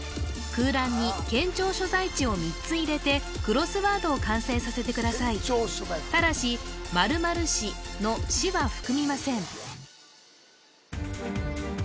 空欄に県庁所在地を３つ入れてクロスワードを完成させてくださいただし○○市の「市」は含みません